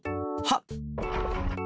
はっ！